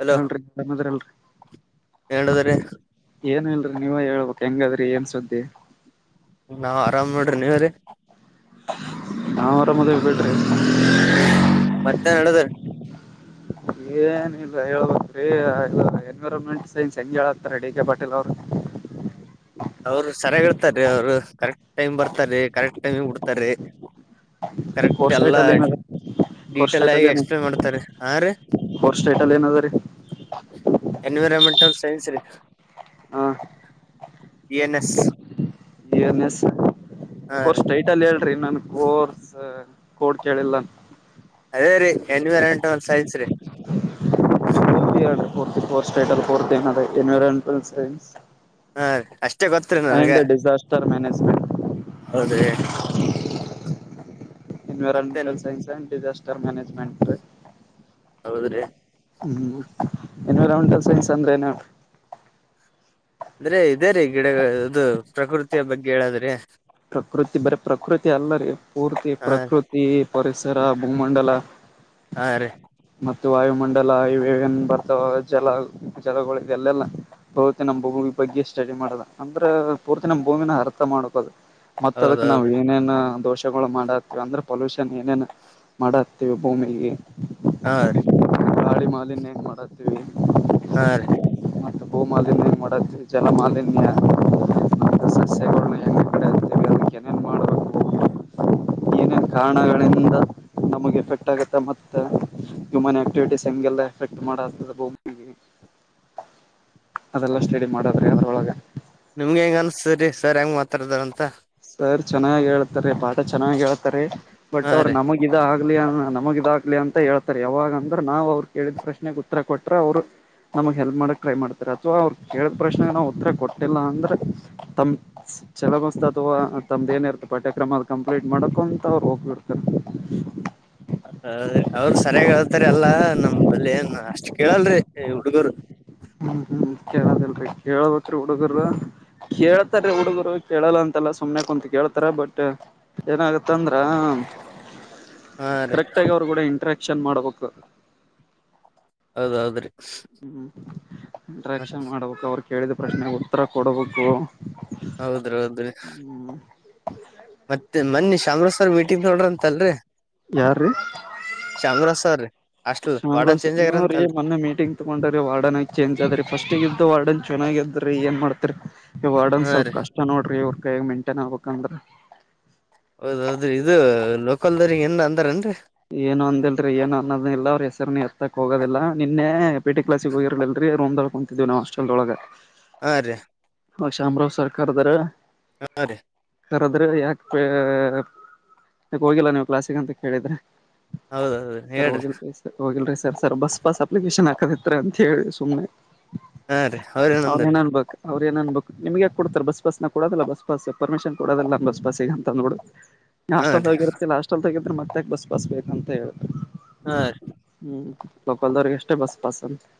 Hello ಹೇಳಿರಿ ಆರಾಮ್ ಅದಿರಿ ನಡದ್ರಿ ಏನ್ ಇಲ್ರರಿ ನೀವೇ ಹೇಳ್ಬಕ್ ಹೆಂಗಾದ್ರಿ ಏನ್ ಸುದ್ದಿ ನಾವ್ ಆರಾಮ್ ಮಾಡ್ರಿ ನೀವರಿ ನಾವ್ ಆರಾಮದಬೇಡ್ರಿ ಮತ್ತೆ ನಡದ್ರಿ ಏನಿಲ್ಲ ಹಳ್ಬೇಕ ರೀ ಇ ಎನ್ವಿರಮೆಂಟ್ ಸೈನ್ಸ್ ಹೆಂಗ ಹೇಳತ್ತಾರೆ ಡಿ ಕೆ ಪಟೀಲ್ ಅವ್ರ ಅವ್ರು ಸರಿಯಾಗಿ ಹೇಳ್ತಾರೀ ಅವ್ರು ಕರೆಕ್ಟ್ ಟೈಮ್ ಬರ್ತಾರೀ ಕರೆಕ್ಟ್ ಟೈಮಿ ಬಿಡ್ತಾರೀ ಕರೆಕ್ಟ್ ಕೋರ್ ಎಲ್ಲ ಸ್ಟೇಟ್ ಅಲ್ಲಿ ಏನದ ಕೋರ್ ಡೀಟೇಲ್ ಸ್ಟೇಟ್ ಆಗಿ ಅಲ್ಲಿ ಏನ ಎಕ್ಸ್ಪ್ಲೇನ್ ಮಾಡ್ತಾರೆ ಹಾ ರೀ ಕೋರ್ ಸ್ಟೇಟ್ ಅಲ್ಲಿ ಏನದ್ರೀ ಎನ್ವಿರಾನ್ಮೆಂಟ್ ಸೈನ್ಸ್ ರೀ ಹಾ ಇ ಎನ್ ಎಸ್ ಇಎನ್ಎಸ್ ಹಾ ರೀ ಕೋರ್ಸ್ ಟೈಟಲ್ ಹೇಳ್ರಿ ನನ್ ಕೋರ್ಸ್ ಕೋಡ್ ಕೇಳಿಲ್ಲ ಅದೇ ರೀ ಎೂರ ಎನ್ವಿರಾನ್ಮೆಂಟಲ್ ಸೈನ್ಸ್ ಫರ್ಫರ್ಸ್ಟಫರ್ತ ಎನ್ವೈರಮೆಂಟಲ್ ಸೈನ್ಸ್ ಹಾ ರ ಅಷ್ಟೇ ಗೊತ್ತರಿ ನನಗೆ ಅಂಡ್ ಡಿಸಾಸ್ಟರ್ ಮ್ಯಾನೇಜ್ಮೆಂಟ್ ಹೌದರಿ environmental science and disaster management ಹೌದ್ರಿ ಹ್ಮ್ ಎನ್ವಿರಮೆಂಟಲ್ ಸೈನ್ಸ್ ಅಂದ್ರೇನ ಅಂದ್ರೆ ಇದೇ ರೀ ಗಿಡ ಇದು ಪ್ರಕೃತಿಯ ಬಗ್ಗೆ ಹೇಳದ್ರಿ ಪ್ರಕೃತಿ ಬರೀ ಪ್ರಕೃತಿ ಅಲ್ಲ ರೀ ಪೂರ್ತಿ ಹಾ ಪ್ರಕೃತಿ ಪರಿಸರ ಭೂಮಂಡಲ ಹಾ ರೀ ಮತ್ತು ವಾಯುಮಂಡಲ ಇವ ಏನ್ ಬರ್ತಾವ ಜಲ ಜಲಗಳು ಇದೆಲ್ಲೆಲ್ಲ ಪೂರ್ತಿ ನಮ್ ಭೂಮಿ ಬಗ್ಗೆ ಸ್ಟಡಿ ಮಾಡುದ ಅಂದ್ರ ಪೂರ್ತಿ ನಮ್ಮ ಭೂಮಿನ ಅರ್ಥ ಮಾಡಕ ಅದು ಮತ್ತ ಅದಕ್ ನಾವ್ ಹೌದೌದು ಏನೇನ್ ದೋಷಗಳು ಮಾಡಕ್ ಅಂದ್ರೆ ಪೊಲ್ಯೂಷನ್ ಏನೇನು ಮಾಡತೀವಿ ಭೂಮಿಗೆ ಹಾ ರೀ ಗಾಡಿ ಮಾಲಿನ್ಯೇಂ ಮಾಡತೀವಿ ಹ ತಪ್ಪಾಲ ಮೋಡ ತಿ ಚಲ್ಲ ಮಾಲನ್ಯ [inaudible] ಏನ ಕಾರಣಗಳಿಂದ ನಮಗೆ ಎಫೆಟ್ ಆಗುತ್ತೆ ಮತ್ತೆ ಇಮನೆ [inaudible] ಅದೆಲ್ಲ ಸ್ಟಡಿ ಮಾಡದ್ರೆ ಅದ್ರೊಳಗೆ ನಿಮ್ಗೆ ಹೆಂಗ ಅನ್ಸತರಿ ಸರ್ ಹೆಂಗ್ ಮಾತಾಡ್ದಾರಂತ ಸರ್ ಚೆನ್ನಾಗಿ ಹೇಳ್ತಾರೆ ಪಾಠ ಚೆನ್ನಾಗ್ ಹೇಳ್ತಾರೆ ಬಟ್ ಹಾ ರೀ ಅವ್ರು ನಮಗ ಇದ ಆಗ್ಲಿ ಅ ನಮಗ ಇದ ಇಲ್ಲಿ ಅಂತ ಹೇಳ್ತಾರೆ ಯಾವಾಗ ಅಂದ್ರ ನಾವ್ ಅವ್ರು ಕೇಳಿದ ಪ್ರಶ್ನೆಗೆ ಉತ್ತರ ಕೊಟ್ರೆ ಅವ್ರು ನಮಗ್ ಹೆಲ್ಪ್ ಮಾಡಕ್ ಟ್ರೈ ಮಾಡ್ತಾರೆ ಅಥವಾ ಅವ್ರು ಕೇಳ ಪ್ರಶ್ನೆಗೆ ನಾವು ಉತ್ತರ ಕೊಟ್ಟಿಲ್ಲ ಅಂದ್ರೆ ತಮ್ಮ ಚೆಲಗಸ್ತರ ತಮ್ದ ಏನ ಇರ್ತ ಪಠ್ಯಕ್ರಮ ಅದು ಕಂಪ್ಲೀಟ್ ಮಾಡಕ ಅಂತ ಅವ್ರು ಹೋಗ್ಬಿಡ್ತಾರೆ ಹೌದ್ರಿ ಅವ್ರ ಸರಿಯಾಗ ಹೇಳ್ತಾರ ಅಲ್ಲಾ ನಮ್ ಬಲ್ಲಿ ಅಷ್ಟ್ ಕೇಳಲ್ರಿ ಹುಡ್ಗರು ಹ್ಮ್ ಹ್ಮ್ ಕೇಳದಲ್ರರಿ ಕೇಳಬೇಕತ್ರಿ ಹುಡುಗರ ಕೇಳ್ತಾರ ಹುಡುಗರು ಕೇಳಲ್ಲ ಅಂತೆಲ್ಲ ಸುಮನೆ ಕುಂತ ಕೇಳ್ತಾರ ಬಟ್ ಏನಾಗತ್ತಂದ್ರ ಹಾ ರೀ ಕರೆಕ್ಟ್ ಆಗಿ ಅವರು ಕೂಡ ಇಂಟ್ರಾಕ್ಷನ್ ಮಾಡ್ಬೇಕು ಹೌದೌದ್ರಿ ಇಂಟ್ರಾಕ್ಷನ್ ಮಾಡಬೇಕು ಅವ್ರು ಕೇಳಿದ ಪ್ರಶ್ನೆಗೆ ಉತ್ತರ ಕೊಡಬೇಕು ಹೌದ್ರಿ ಹೌದ್ರಿ ಮತ್ತೆ ಮೊನ್ನಿ ಶಾಮರ ಸರ್ ಮೀಟಿಂಗ್ ನೋಡ್ರ ಅಂತ ಅಲ್ರರಿ ಯಾರ ರೀ sir hostel warden Shamaraj change ನ್ರೀ ಆಗ್ಯಾರಂತಲ್ರಿ ಮೊನ್ನೆ ಮೀಟಿಂಗ್ ತ್ಕೊಂಡ್ರೀ ವಾರ್ಡನ್ ಆಗ ಚೇಂಜ್ ಅದ್ರರಿ ಫಸ್ಟಗ ಇದ್ದ ವಾರ್ಡನ್ ಚೆನ್ನಾಗ ಇದ್ರಿ ಏನ್ ಮಾಡ್ತರಿ ಇವ್ಡನ್ ಹಾ ಸ್ವಲ್ ರೀ ಕಷ್ಟ ನೋಡ್ರಿ ಇ್ರ ಕೈಗ ಮೈಂಟೈನ್ ಆಗ್ಬೇಕಂದ್ರೆ ಹೌದ್ ಹೌದ್ರಿ ಇದು ಲೋಕಲ್ದ್ರ ಏನ್ ಅಂದಾರೇನ್ರಿ ಏನು ಅಂದಲ್ರಿ ಏನು ಅನ್ನೋದಿಲ್ಲ ಅವ್ರ ಹೆಸರಿ ನೀ ಹತ್ತಕ್ ಹೋಗೋದಿಲ್ಲ ನಿನ್ನೆ ಎ ಪಿ ಟ ಕ್ಲಾಸ್ಗೆ ಹೋಗಿರ್ಲಲ್ರರಿ ರೂಮ್ದಲ್ಲಿ ಕುಂತ್ ಇ ನ ಹಾಸ್ಟಲ್ದೊಳಗೆ ಹಾ ರೀ ಹ ಶಾಮರಾವ್ ಸರ್ಕಾರದಾರ ಹಾ ರೀ ಹರದ್ರೆ ಯಾಕೆ ಪ ಯಾಕ ಹೋಗಿಲ್ಲ ನೀವು ಕ್ಲಾಸಕ್ ಅಂತ ಕೇಳಿದ್ರೆ ಹೌದೌದು ಸರ್ ಹೋಗಿಲ್ರಿ ಸರ್ ಹೋಗಿಲ್ರಿ sir sir bus pass application ಹಾಕದಿತ್ರ ಅಂತ ಹೇಳಿ ಸುಮನೆ ಹಾ ರೀ ಅವ್ರೇನ್ ಅವ್ರ ಅಂದಾರಿ ಏನನ್ಬೇಕು [unintelligible] ಅವ್ರು ಏನನ್ ಬು ನಿಮಗೆ ಕೊಡ್ತ ಬಸ್ ಪಸ್ ಕೊಡದಲ್ಲ ಬಸ್ ಪಮಿಷನ್ ಕೊಡಿಲ್ಲ ನಮ್ಮ ಬಸ್ಗ ಅಂತ ನೋಡು [unintelligible] ಹಾ ಹಾಸ್ಲ್ ರೀ ತೋಗಿರ್ತ್ತಿಲ್ಲ ಹಾಸ್ಟೆಲ್ ತೋಗಿದ್ರೆ ಮತ್ತ ಬಸ್ ಬಾಸ್ ಬೇಕ ಅಂತ ಹೇಳರು [unintelligible] ಹಾ ರ [unintelligible] ಹ್ಮ್ ಲೋಕಲ್ದವರ್ಗೆ ಎಷ್ಟೇ ಬಸ್ ಬಸನ್ [unintelligible]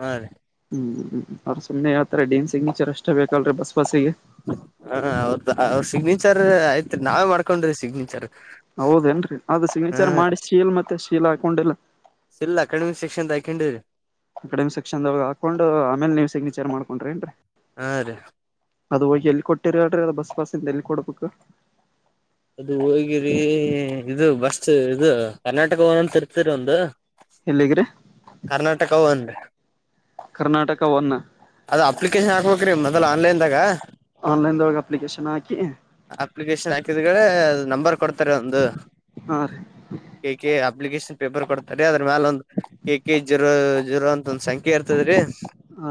ಹಾಇ ರೀ [unintelligible] ಹ್ಮ್ ಅವ್ರರು ಸುಮ್ಮನೆ ಯತ್ರ ಡನ್ ಸಿಗ್ನೇಚರ್ ಅಷ್ಟೇ ಬೇಕಲ್ರೀ ಬಸ್ ಬಸ್ಸಿಗೆ [unintelligible] ಹ ಅವ್ರ ಅವ್ರ ಸಿಗ್ನೇಚರ್ ಆಯ್ತ್ ನಾವೇ ಮಾಡ್ಕೊಂಡ್ರಿ ಸಿಗ್ನೇಚರ್ [unintelligible] ಹೌದೇಏನ್ರೀ ಅದು ಹಾ ಸಿಗ್ನೇಚರ್ ಮಾಡಿ ಶೀಲ್ ಮತ್ತೆ ಶೀಲ್ ಹಾಕೊಂಡಿಲ್ಲ [unintelligible] ಸಲ್ಲಲ್ ಅಕಾಡಮಿಕ್ ಸೆಕ್ಷನ್ ತಯಕೊಂಡೇ [unintelligible] ಅಕಡೆಮ ಸೆಕ್ಷನ್ ದೊಳ ಹಾಕೊಂಡು ಆಮೇಲೆ ನೀವ್ ಸಿಗ್ನೇಚರ್ ಮಾಡ್ಕೊಂಡ್ರಿ ಏನ್ರೀ ಹಾ ರೀ [unintelligible] ಅದು ಹೋಗಿ ಎಲ್ಲಿ ಕೊಟ್ಟಿರ ಅ ಹೇಳ್ರರಿ ಅದ ಬಸ್ ಬಸ್ಂದ ಎಲ್ಲಿ ಕೊಡ್ಬೇಕು - [unintelligible] ಅದು ಹೋಗಿರಿ ಇದು ಬಸ್ ಇದು ಕರ್ನಾಟಕ ನಂತ ಇರ್ತರಿ ಒಂದು [unintelligible] ಎಲ್ಲಿಗ್ರಿ [unintelligible] ಕರ್ನಾಟಕವು ಅಂದ [unintelligible] ಕರ್ನಾಟಕ ಒನ್ನ [unintelligible] ಅದ ಅಪ್ಲಿಕೇಶನ್ ಹಾಕ್ಬೇಕ್ರೀ ಮೊದಲು ಆನ್ಲೈನ್ದಾಗ [unintelligible] ಆನ್ಲೈನ್ದೊಳಗೆ ಅಪ್ಲಿಕೇಶನ್ ಹಾಕಿ ಅಪ್ಲಿಕೇಶನ್ ಹಾಕಿದ್ಡೆ ನಂಬರ್ ಕೊಡ್ತಾರೆ ಒಂದು [unintelligible] ಹಾ ರೀ ಕೇಕ ಅಪ್ಲಿಕೇಶನ್ ಪೇಪರ್ ಕೊಡ್ತಾರೆ ಅದ್ರ ಮೇಾಲ ಒಂದು ಕೆ ಕೆ ಜಿರೋ ಜಿರೋ ಅಂತ ಒಂದ್ ಸಂಖ್ಯೆ ಇರ್ತದ್ರೀ ಆ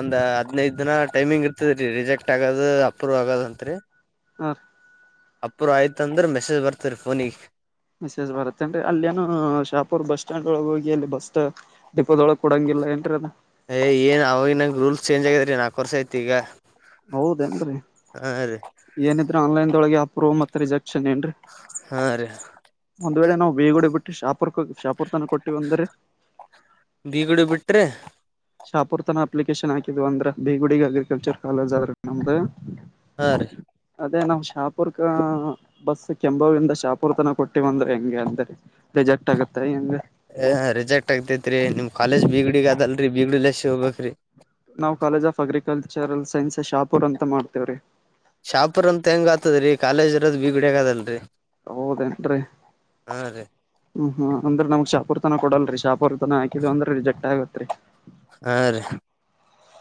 ಒಂದ್ ಹದ್ ದು ದಿನ ಟೈಮಿಂಗ್ ಇರ್ತದ ರೀ ರಿಜೆಕ್ಟ್ ಆಗೋದು ಅಪ್ರೂವ್ ಆಗದಂರಿ ಹ ಅಪ್ರ ಆಯ್ತ ಅಂದ್ರೆ ಮೆಸೇಜ್ ಬರ್ತ ರರಿ ಫೋನಿಗೆ ಮಸೇಜ್ ಬರತ್ತೇನ್ರಿ ಅಲ್ಲಿೇಏನು ಶಾಪುರ್ ಬಸ್ ಸ್ಟಾಂಡ್ ಒಳಗೆ ಹೋಗಿ ಅಲ್ಲಿ ಬಸ್ ದಡಿಪೋದೊಳ ಕೊಡಂಗಿಲ್ಲ ಏನ್ರ ಅ ಯ್ ಏನ್ ಅವಾಗ ನಗೆ ರೂಲ್ ಚೇಂಜ್ ಆಗ್ಯ ರ ನಾಕ ಕೋರ್ಸ ಐತಿ ಈಗ ಹೌದೇಏನ್ರರಿ ಹಾ ರೀ ಏನಿದ್ರ ಆನ್ಲೈನ್ದೊಳಗೆ ಅಪ್ರೂವ್ ಮತ್ತ ರಿಜೆಕ್ಷನ್ ಏನ್ರೀ ಹಾ ರೀ. ಒಂದ್ ವೇಳೆ ನಾವು ಬೇಗುಡೆ ಬಿಟ್ಟ ಶಾಪುರ್ ಶಾಪುರ್ ತನ ಕೊಟ್ಟೀವ ಅಂದರೆ. ಬೀಗಡು ಬಿಟ್ರೆ? ಶಾಪೂರ್ ತನ ಅಪ್ಲಿಕೇಶನ್ ಹಾಕಿದ್ವ ಅಂದ್ರ ಬೀಗುಡಿಗೆ ಅಗ್ರಿಕಲ್ಚರ್ ಕಾಲೇಜ್ ಆದ್ರೆ ನಮ್ದ [unintelligible] ಹಾ ರೀ. ಅದೇ ನಮ್ಮ ಶಾಪುರಕ. ಬಸ್ ಕೆಂಬಾವಿ ಇಂದ ಶಾಪುರಕ್ಕ ತನ ಕೊಟ್ಟಿವಂದ್ರೆ ಹೆಂಗೆ ಅಂತ ರಿಜೆಕ್ಟ್ ಆಗುತ್ತೆ ಹೆಂಗ. ಯಾ ಯಾ ರಿಜೆಕ್ಟ್ ಆಗ್ತೈತ್ ರೀ ನಿಮ್ ಕಾಲೇಜ್ ಬಿಗ್ಡಿ ಅದಲ್ರರಿ ಬೀಗ್ಡಿಲ್ಲಸಿ ಹೋಗಬೇಕ ರೀ. ನಾವು college of agricultural science Shahpur ಅಂತ ಮಾಡ್ತೇವ್ರಿ. ಶಾಪುರ ಅಂತ ಹೆಂಗ್ ಆತದ್ರೀ ಕಾಲೇಜ ಇರದ್ ಬಿಗಡಗಾ ಇದೆ ಅಲ್ರಿ. ಹೌದೇನ್ರಿ. ಹ್ಮ್ ಹ್ಮ್ ಅಂದ್ರ ನಮ್ಗ ಶಾಪುರ ತನ ಕೊಡಲ್ರಿ ಶಾಪುರ ತನ ಹಾಕಿದ ಅಂದ್ರ ರಿಜೆಕ್ಟ್ ಆಗತ್ರಿ. ಹಾರಿ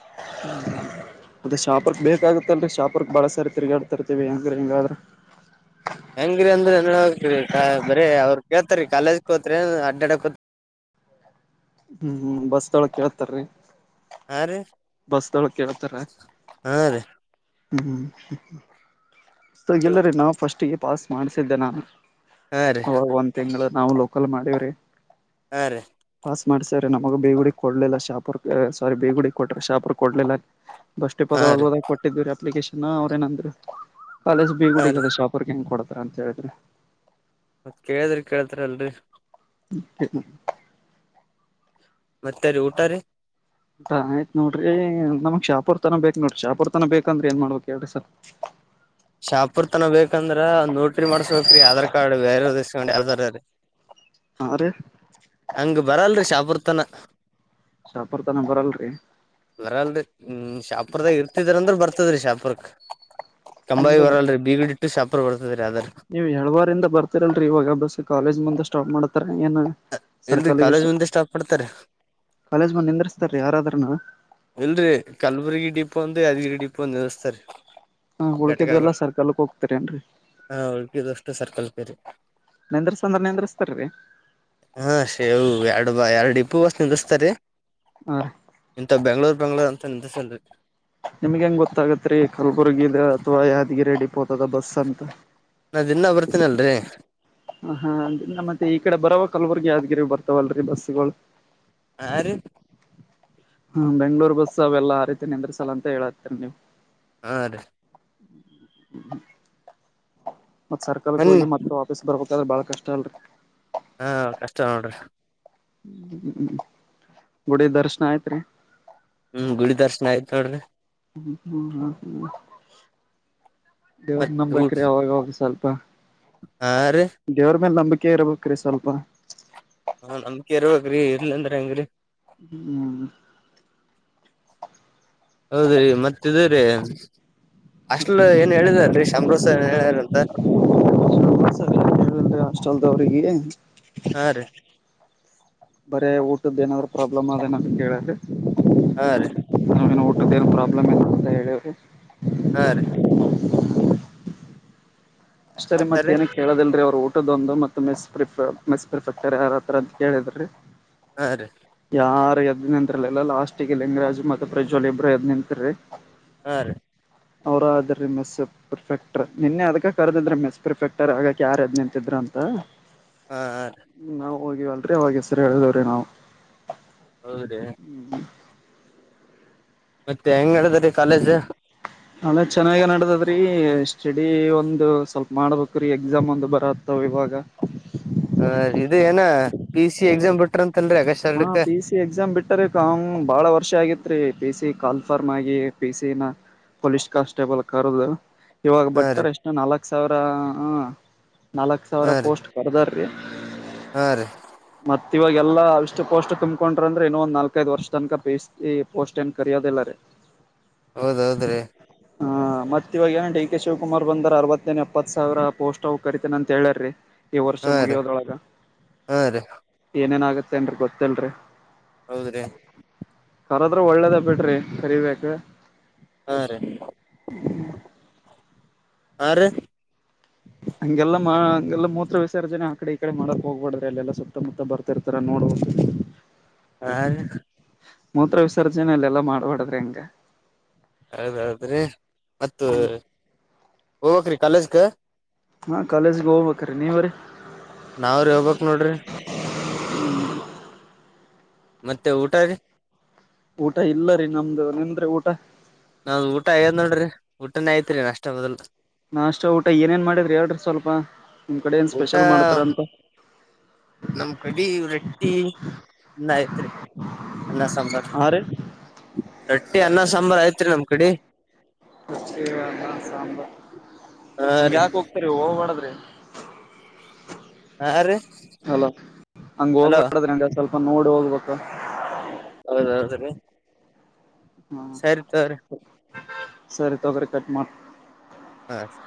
[inaudible] ಅದ ಶಾಪುರಕ್ಕ ಲೇಟ್ ಆಗತ್ತೆ ಅಂತ ಶಾಪುರಕ್ಕೆ ಬಾಳ ಸಾರಿ ತಿರುಗಾಡ್ತತಿರ್ತಿವ್ ಹೆಂಗರ್ ಹೆಂಗದ್ರ್. ಹೆಂಗ್ರರಿ ಅಂದ್ರೆಹೆಂಗ್ ಬರ ಅವ್ರು ಕೇಳ್ತರಿೀ ಕಾಲೇಜ್ ಕೋತ್ರಿನ್ ಅಡ್ಡಾಡೋತ್ರಿ. ಹು ಬಸ್ದ ಒಳ್ಗ ಕೇಳ್ತಾರೀ. ಹಾರಿ ಬಸ್ದಲ್ಗ್ ಕೇಳ್ತಾರ. ಹಾ ರೀ ಹು ಹು ಅ ಇಲ್ಲರಿ ನಾ ಫಸ್ಟ್ಗೆ ಪಾಸ್ ಮಾಡ್ಸಿದ್ದೆ ನಾನು. ಹಾ ರೀ ಅವಾಗ್ ಒಂದ್ ತಿಂಗಳ ನಾವು ಲೋಕಲ್ ಮಾಡಿವ್ರಿ. ಹಾರೀ ಪಾಸ್ ಮಾಡ್ಸ್ರ ನಮಗ ಬಿಗುಡಿ ಕೊಡ್ಲಿಲ್ಲ ಶಾಪೂರಕ್ಕ್ ಎ ಸಾರೀ ಬೇಗುಡಿ ಕೊಟ್ರೆ ಶಾಪೂರ್ ಕೊಡ್ಲಿಲ್ಲ. ಬಸ ಹಾ ಡಿಪೊದೊಳಗೆ ರೀ ಹೋದಾಗ ಕೊಟ್ಟಿದ್ದೀವಿ ಅಪ್ಲಿಕೇಶನ್ ಅವ್ರ ಏನಂದ್ರೆ ಕಾಲೇಜ್ ಹಾ ಬೀಗುಡಿಗೆ ರೀ ಅದ ಶಾಪ್. ಅವ್ರಗ್ ಹೆಂಗ್ ಕೊಡತಾರ ಅಂತ ಹೇಳ್ರಿ ಮತ್ ಕೇಳದ್ರಿ ಕೇಳ್ತರಿ ಅಲ್ರರಿ. [unintelligible] ಮತ್ತೆ ರೀ ಊಟ ರೀ. ಆಯ್ತತ್ ನೋಡ್ರಿ ನಮ್ಗ್ ಶಾಪುರ್ ತನ ಬೇಕ ನೋಡ್ರಿ ಶಾಪೂರ್ ತನ ಬೇಕಂದ್ರೆ ಏನ್ ಮಾಡ್ಬೇಕ ಹೇಳ್ರಿ ಸರ್. ಶಾಪುರ್ ತನ ಬೇಕಂದ್ರ ನೋಟ್ರಿ ಮಾಡ್ಸ್ಬೇಕ್ರೀ ಆಧಾರ್ ಕಾರ್ಡ್ ಬೇರವ ಇಸ್ಕೊಂಡ್ ಯಾರದರ ರೀ. ಹಾ ರಿ. ಹಂಗ ಬರಲ್ರರಿ ಶಾಪುರ್ತನ. ಶಾಪುರ್ ತನ ಬರಲ್ರಿ. ಬರಲ್ರಿ ಹ್ಮ್ ಶಾಪುರ್ದಾಗ ಇರ್ತಿದ್ರಂದ್ರ ಬರ್ತದ್ರಿ ಶಾಪುರ್ಕ್. ಕೆಂಭಾವಿ ನಿಮ್ದು ಬರಲ್ರೀ ಬೀಗುಡ್ ಟ್ಟು ಶಾಪರ್ ಬರ್ತದ ರೀ ಆದರೆ. ನೀವು ಎಳ್ವಾರ್ ಇಂದ ಬರ್ತೀರಲ್ರಿ ಇವಾಗ ಬಸ್ ಕಾಲೇಜ್ ಮುಂದ ಸ್ಟಾಪ್ ಮಾಡ್ತಾರೆ ಏನ? ಇಲ್ರರಿ ಸರ್ಕಲಿಗೆ ಕಾಲೇಜ್ ಎಷ್ಟು ಮುಂದೆ ಸ್ಟಾಪ್ ಮಾಡ್ತಾರ [inaudible] ಕಾಲೇಜ್ ಬಂದ ನಿಂದರ್ಸ್ತಾರೀ ಯಾರಾದ್ರೂನು. ಇಲ್ರರಿ ಕಲ್ಬುರ್ಗಿ ಡಿಪೋ ಒಂದ ಯಾದಗಿರಿ ಡಿಪೋ ಒಂದ ನಿಲ್ಲಸ್ತಾರೀ. ಹಾ ಉಳ್ಕಿದ್ವೆಲ್ಲಾ ಘಟಕಗಳು ಸರ್ಕಲ್ಕ್ ಹೋಗ್ತಾರ ಏನ್ರಿ ಉಳ್ಪಿದ ಅಷ್ಟು ಸರ್ಕಲಗೆ ರೀ. ನಿದ್ರಸ ಅಂದ್ರೆ ನಿಂದ್ರಸತ್ರರಾ ರೀ. ಹಾ ಶೇವು ಎರಡ ಬೈ ಎರಡು ಡಿಪೋ ಅಷ್ಟ ನಿಂದಿಸ್ತಾರ ರೀ. ಹಾ ರೀ ಇಂತ ಬೆಂಗಳೂರು ಬೆಂಗಳೂರು ಅಂತ ನಿಂದ್ರಸಳ್ರಿ. ನಿಮ್ಗೆ ಹೆಂಗೆ ಗೊತ್ತಾಗತ್ ರೀ ಕಲಬುರ್ಗಿ ಅಥ್ವಾ ಯಾದಗಿರಿ ಡಿಪೋತದ ಬಸ್ ಅಂತ. ನಾ ದಿನ್ನ ಬರ್ತೀನಲ್ರರಿ ಹ ಹಾ ಅ್ರಿಂದ ಮತ್ತೆ ಈ ಕಡೆ ಬರವ ಕಲಬುಗ ಯ್ಗಿರಿ ಬರ್ತಾವಲ್ರೀ ಬಸ್ಗಳು ಆ ರೀ ಹ್ಮ ಬೆಂಗ್ಳೂರ್ ಬಸ್ ಅವೆಲ್ಲ ಹರೀತೀನೆ ಅಂದ್ರ ಸಲ ಅಂತ ಹೇಳತರಿ ನೀವು ಆ ಹ್ಮ ಮತ್ತ ಸರ್ಕಲ್ಗೆ ಮನ್ ಹೋಗಿ ಮತ್ತ ಬರ್ಬೇಕಾದ್ರ ಬಾಳ ಕಷ್ಟ ಉಂಟು ಹಾ ಕಷ್ಟ ನೋಡ್ರಿ ಹ್ಮ್ ಗುಡಿ ದರ್ಶನ ಆಯ್ತ್ರಿ ಹ್ಮ್ ಗುಡಿ ದರ್ಶನ ಆಯ್ತ ನೋಡ್ರಿ ಹ್ಮ ಹ್ಮ್ ಹ್ಮ್ ಹ್ಮ್ ದೇವ್ರ ಮತ್ ನಂಬ ಬೇಕ್ರಿ ಅವ್ರಾಗ ಹೋಗ್ರ ಸ್ವಲ್ಪ ಹಾರಿ ದೇವ್ರ ಮೇಲೆ ನಂಬಿಕೆ ಇರಬೇಕುರೀ ಸ್ವಲ್ಪ ಹಾ ನಮ್ ಇರವ್ರಿ ಇರ್ಲಿ ಅಂದ್ರ ಹೆಂಗ್ರರಿ ಹ್ಮ್ ಹೌದ್ರೀ ಮತ್ತ್ರೀ ಅಷ್ಟಲ್ ಏನ್ ಹೇಳಿದಲ್ರಿ ಶಂಬರೂಷ ಏನ್ ಹೇಳಾರ ಅಂತ ಹಸ್ಟಲ್ ದ್ರಿಗೆ ಹಾ ರೀ ಬರೇ ಊಟದ್ದ ಏನಾದ್ ಪ್ರಾಬ್ಲಮ್ ಅದ ಏನಾದ ಕೇಳ್ರರಿ ಹಾ ರೀ ನೇ ಊಟದ ಏನು ಪ್ರಾಬ್ಲಮ್ ಇಲ್ಲ ಅಂತ ಹೇಳಿಿ ಹಾ ರೀ ಅಷ್ಟೇ ಮತ್ತ ರೀ ಮತ್ತೇಏನ ಕೇಳದಲ್ರಿ ಅವರು ಊ ದೊಂದು ಮತ್ತು ಮೆಸ್ ಮೆಸ್ ಪ್ರಿಫೆಕ್ಟರ್ ಯಾರರ ಅಂತ ಕೇಳಿದ್ರಿ ಹಾಂ ರೀ ಯಾರು ಎದ್ ನಿಂತರ್ಲಿಲ್ಲ ಲಾಸ್ಟ್ ಗೆ ಲಿಂಗರಾಜ್ ಮತ್ತ ಪ್ರಜ್ವಲ್ ಇಬ್ರು ಎದ್ ನಿಂತೀ ಹಾ ರೀ ಅವರ ಅಾದರಿ ಮೆಸಪ್ ಪರ್ಫೆಕ್ಟರ್ ನಿನ್ನೆ ಅದ್ಕ ಕರೆದಿದ್ರ ಮಿಸ್ ಪರ್ಫೆಕ್ಟರ್ ಆಗಕ ಯಾರದ್ ನಿಂತಿದ್ರು ಅಂತ ಆ ನಾವ್ ಹೋಗಿವ ಅಲ್ರಿ ಅವ ಹ ಹೆಸರಿ ಹೇಳದವ್ರೀ ನಾವು ಹೌದ್ರೀ ಹ್ಮ ಮತ್ತೆ ಹೆಂಗಡದ ರೀ ಕಾಲೇಜ್ ಹಳೆ ಚೆನ್ನಾಗ ನಡದದ್ರೀ ಸ್ಟಡಿ ಒಂದು ಸ್ವಲ್ಪ ಮಾಡ್ಬೇಕು್ರೀ ಎಕ್ಸಾಮ್ ಒಂದು ಬರತ್ತವ ಇವಾಗ [unintelligible] ಹ ಇದು ಏನ ಪಿ ಸಿ ಎಕ್ಸಾಮ್ ಬಿಟ್ರ ಅಂತನ್ರಿ ಅಗಷ್ಟ ಹಾ ಎರಡಕ್ಕ ಪಿ ಸಿ ಎಕ್ಸಾಮ್ ಬಿಟ್ಟರಿ ಕ ಬಾಳ ವರ್ಷ ಆಗಿತ್ ರೀ ಪಿ ಸಿ ಕಾಲ್ಫರ್ಮ್ ಆಗಿ ಪಿ ಸಿಿನ ಪೊಲೀಸ್ ಕಾನ್ಸ್ಟೇಬಲ್ ಕರ್ದು ಇವಾಗ ಹಾ ರೀ ಬಟ್ಟರ್ ಎಷ್ಟು ನಾಲ್ಕು ಸಾವಿರ ನಾಲ್ಕು ಸಾವಿರ ಪೋಸ್ಟ್ ಕರ್ದಾರ್ ರೀ ಆ ರೀ ಮತ್ತ ಇವಾಗೆಲ್ಲಾ ಇಷ್ಟಟ್ ಪೋಸ್ಟ್ ಕುಮ್ಕೊಂಡ್ರ ಅದ್ರಾ ಇನ್ನ ಒಂದ ನಾಲ್ಕೈದು ವರ್ಷ ತನಕಬಸ್ ಪೋಸ್ ಏ ಕರೋದಿಲ್ಲ ರೀ ಹೌದೌದ್ರೀ ಹ ಮತ್ತ ಇವಾಗ ಏನ ಡಿ ಕೆ ಶಿವಕುಮಾರ್ ಬಂದ್ರ ಅರವತ್ತೇನ ಎಪ್ಪತ್ ಸಾವಿರ ಪೋಸ್ಟ್ ಅವ್ ಕರಿತೇನ ಅಂತ ಹೇಳಾರ್ರೀ ಈ ವರ್ಷ ಹಾ ರೀ ಮುಗಿಯೋದೊಳಗ ಹಾ ರೀ ಏನೇನಾಗತ್ತೆ ಅನ್ರಿ ಗೊತ್ತಲ್ರಿ ಹೌದ್ರಿ ಕರದ್ರ ಒಳ್ಳೇದೇ ಬಿಟ್ರಿ ಕರಿಬೇಕ ಹಾ ರೀ ಆ ರೀ ಹಂಗೆಲ್ಲ ಹಂಗೆಲ್ಲಾ ಮೂತ್ರ ವಿಸರ್ಜನೆ ಆಕಡೆ ಕಡೆ ಮಾಡಕ್ ಹೋಗ್ಬಾರಡ್ರೆ ಎಲ್ಲ ಸುತ್ತಮುತ್ತ ಬರ್ತಿರ್ತಾರ ನೋಡ ಹಾ ಮೂತ್ರ ವಿಸರ್ಜನೆ ಅಲ್ಲ ಎಲ್ಲ ಮಾಡಬಾರಡ್ರಿ ಹಂಗ ಹೌದೌದ್ರಿ ಮತ್ತ ಹೋಗ್ಬೇಕ್ರಿ ಕಾಲೇಜ್ಗೆ ಹಾ ಕಾಲೇಜ್ ಹೋಗ್ಬೇಕ್ರಿ ನೀವರಿ ನಾವ್ರಿ ಹೋಗ್ಬೇಕ್ ನೋಡ್ರಿ ಮತ್ತೆ ಊಟ ರೀ ಊಟ ಇಲ್ಲ ರೀ ನಮ್ದು ನಿಂದ್ರಿ ಊಟ ನಾವ್ ಊಟ ಆಗದ್ ನೋಡ್ರಿ ಊಟನೇ ಐತ್ರಿ ನಷ್ಟ ಮೊದಲ್ಲು ನಾಷ್ಟೇ ಊಟ ಏನೇನ್ ಮಾಡಿದ್ರಿ ಹೇಳ್ರಿ ಸ್ವಲ್ಪ ನಿಮ್ ಕಡೆ ಏನ್ ಊಟ ಸ್ಪೆಷಲ್ ಮಾಡ್ತಾರ ಅಂತ ನಮ್ ಕಡಿ ರೆಟ್ಟಿ ಅನ್ನ ಐತ್ರಿ ಅನ್ನ ಸಾಂಬಾರ್ ಹಾ ರೀ ರಟ್ಟಿ ಅನ್ನ ಸಾಂಬಾರು ಐತ್ರಿ ನಮ್ ಕಡೆ ಸಾಂಬಾರ್ ಹಾ ಹಂಗ ರೀ ಯಾಕ ಹೋಗ್ ಹರಿ ಹೋಗ್ ಮಾಡದ್ರಿ ಹಾ ರೀ ಹಲೋ ಹಲೋ ಹಂಗೋಗಬಾಡದ್ರಿ ಅಂಗ ಸ್ವಲ್ಪ ನೋಡಿ ಹೋಗ್ಬೇಕ. ಹೌದೌದ್ರಿ. ಹ್ಮ ಸರಿ ತೊರಿ. ಸರಿ ತಗೊರಿ ಕಟ್ ಮಾಡ್ ಹ್ಮ